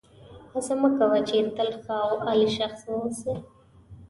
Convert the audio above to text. هڅه مه کوه چې تل ښه او عالي شخص واوسې.